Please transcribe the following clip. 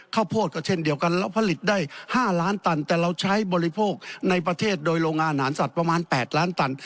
ข้าวโพดก็เช่นเดียวกันเราผลิตได้๕ล้านตันแต่เราใช้บริโภคในประเทศโดยโรงงานอาหารสัตว์ประมาณ๘ล้านตัน